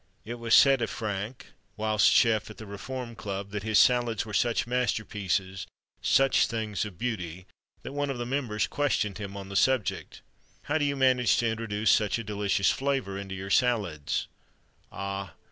It was said of Franc., whilst chef at the Reform Club, that his salads were such masterpieces, such things of beauty, that one of the members questioned him on the subject. "How do you manage to introduce such a delicious flavour into your salads?" "Ah!